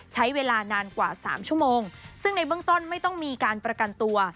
ใช้เวลานานกว่า๓ชั่วโมงซึ่งในเบื้องต้นไม่ต้องมีการประกันตัว